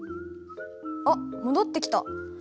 あっ戻ってきた。